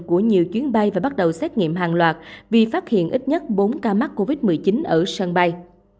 của nhiều chuyến bay và bắt đầu xét nghiệm hàng loạt vì phát hiện ít nhất bốn ca mắc covid một mươi chín ở sân bay